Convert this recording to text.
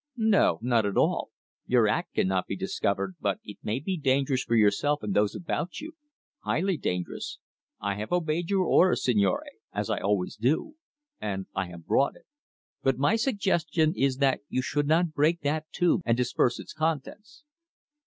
"No, not at all. Your act cannot be discovered, but it may be dangerous for yourself and those about you highly dangerous. I have obeyed your orders, signore, as I always do, and I have brought it. But my suggestion is that you should not break that tube and disperse its contents."